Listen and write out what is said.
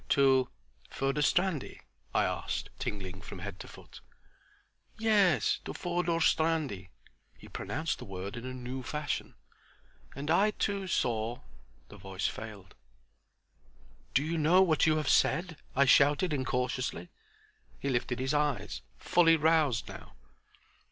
"To Furdurstrandi?" I asked, tingling from head to foot. "Yes, to Furdurstrandi," he pronounced the word in a new fashion "And I too saw"—The voice failed. "Do you know what you have said?" I shouted, incautiously. He lifted his eyes, fully roused now.